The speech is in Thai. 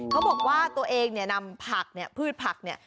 เขาบอกว่าตัวเองเนี่ยนำผักเนี่ยพืชผักเนี่ย